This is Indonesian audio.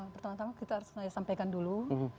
pertama tama kita harus sampaikan dulu